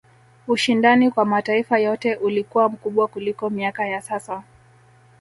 ushindani kwa mataifa yote ulikuwa mkubwa kuliko miaka ya sasa